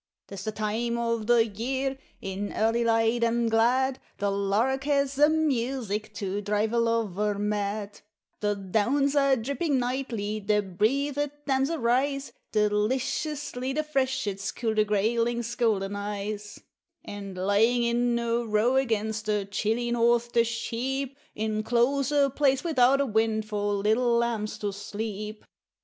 'Tis the time o' the year, in early light and glad, The lark has a music to drive a lover mad; The downs are dripping nightly, the breathèd damps arise, Deliciously the freshets cool the grayling's golden eyes, And lying in a row against the chilly north, the sheep Inclose a place without a wind for little lambs to sleep.